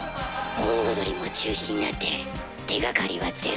盆踊りも中止になって手がかりはゼロ。